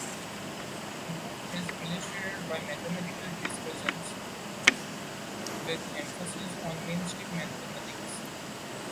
The book is illustrated by mathematical discussions, with emphasis on mainstream mathematics.